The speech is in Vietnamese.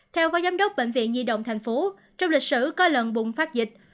theo phó giám đốc bệnh viện nhi động thành phố trong lịch sử có lần bùng phát dịch